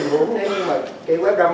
thì chúng tôi cũng có thể xác định là phim